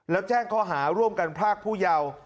แล้วแจ้งข้อหาร่วมกันพรากผู้เยาว์